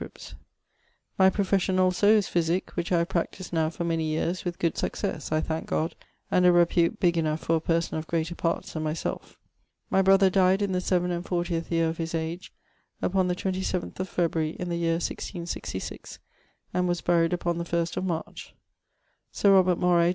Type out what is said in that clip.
My profession allso is physic, which I have practised now for many years with good successe (I thanke God) and a repute big enough for a person of greater parts than my selfe. My brother died in the seaven and fortieth year of his age, upon the 27th of Februarie in the yeare 1666, and was buried upon the first of March. Sir Robert Moray